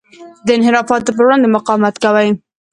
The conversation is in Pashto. د انحرافاتو پر وړاندې مقاومت کوي.